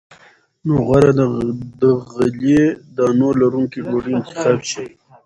نو غوره ده د غلې- دانو لرونکې ډوډۍ انتخاب شي.